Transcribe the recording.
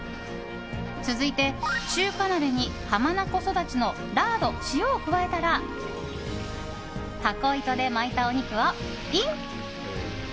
続いて、中華鍋に浜名湖そだちのラード塩を加えたらタコ糸で巻いたお肉をイン！